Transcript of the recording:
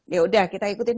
ya sudah kita ikutin